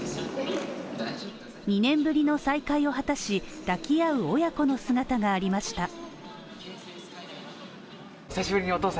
２年ぶりの再会を果たし、抱き合う親子の姿がありました。